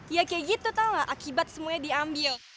ya kayak gitu tau gak akibat semuanya diambil